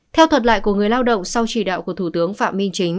theo thuật lại của người lao động sau chỉ đạo của thủ tướng phạm minh chính